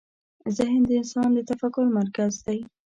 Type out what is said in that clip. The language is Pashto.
ذهن د انسان د تفکر مرکز دی.